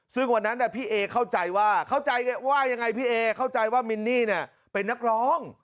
ซึ่งวันนั้นพี่เอเข้าใจว่าเข้าใจไงว่ายังไงพี่เอเข้าใจว่ามินนี่เป็นนักร้อง